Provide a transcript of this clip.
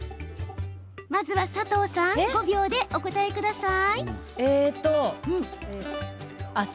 まずは佐藤さん５秒でお答えください。